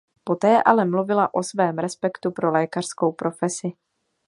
Poté ale mluvila o svém respektu pro lékařskou profesi.